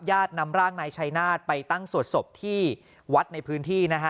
ญาตินำร่างนายชัยนาฏไปตั้งสวดศพที่วัดในพื้นที่นะฮะ